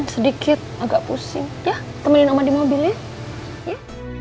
sedikit agak pusing ya temenin sama di mobil ya